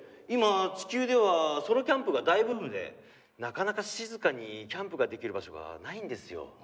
今地球ではソロキャンプが大ブームでなかなか静かにキャンプができる場所がないんですよ。